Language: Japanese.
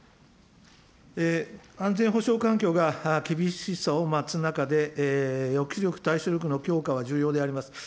安全保障環境が厳しさを増す中で、抑止力、対処力の強化は重要であります。